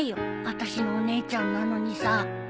私のお姉ちゃんなのにさ